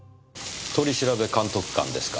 取調監督官ですか。